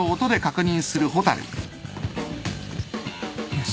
よし。